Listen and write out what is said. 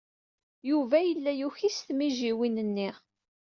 Yuba yella yuki s tmijwin-nni.